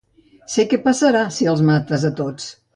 Sé què passarà si els mates a tots.